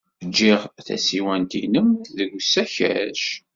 Jjiɣ tasiwant-nnem deg usakac.